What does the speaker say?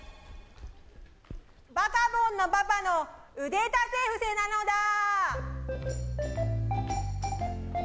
バカボンのパパの腕立て伏せなのだー。